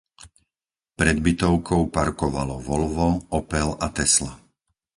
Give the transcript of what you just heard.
Pred bytovkou parkovalo Volvo, Opel a Tesla.